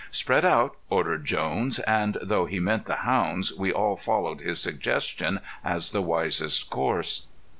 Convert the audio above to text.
"Spread out," ordered Jones, and though he meant the hounds, we all followed his suggestion, as the wisest course.